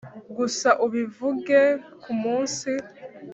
gusa ubivuge kumunsi